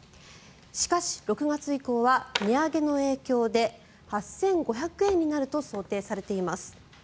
しかし、６月以降は値上げの影響で８５００円になると想定されています。